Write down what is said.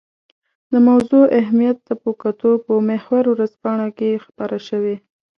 د موضوع اهمیت ته په کتو په محور ورځپاڼه کې خپره شوې.